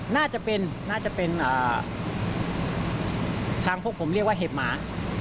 น่าจะเป็นน่าจะเป็นทางพวกผมเรียกว่าเห็บหมา